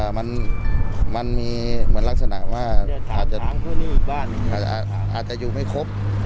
เอ่อมันมันมีเหมือนลักษณะว่าอาจจะอาจจะอยู่ไม่ครบ